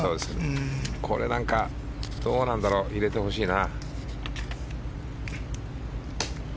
これなんかどうだろう、入れてほしいな。